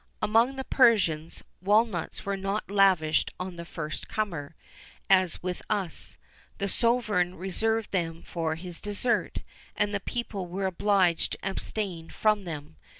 [XIV 12] Among the Persians, walnuts were not lavished on the first comer, as with us; the sovereign reserved them for his dessert, and the people were obliged to abstain from them.